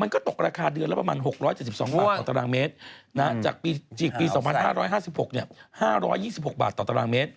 มันก็ตกราคาเดือนละประมาณ๖๗๒บาทต่อตารางเมตรจากปี๒๕๕๖๕๒๖บาทต่อตารางเมตร